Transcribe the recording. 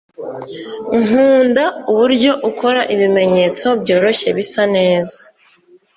nkunda uburyo ukora ibimenyetso byoroshye bisa neza. :]